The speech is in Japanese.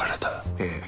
ええ。